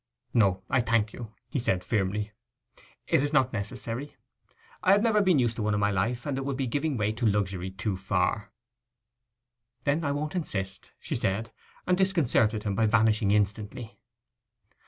'No, I thank you,' he said firmly; 'it is not necessary. I have never been used to one in my life, and it would be giving way to luxury too far.' 'Then I won't insist,' she said, and disconcerted him by vanishing instantly.